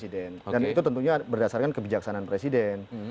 dan itu tentunya berdasarkan kebijaksanaan presiden